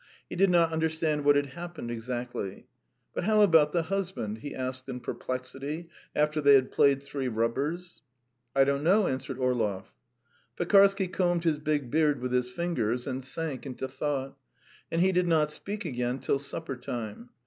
He did not understand what had happened exactly. "But how about the husband?" he asked in perplexity, after they had played three rubbers. "I don't know," answered Orlov. Pekarsky combed his big beard with his fingers and sank into thought, and he did not speak again till supper time.